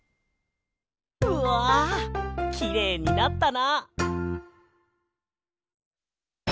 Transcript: うわきれいになったな！